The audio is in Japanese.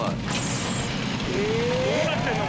どうなってんの？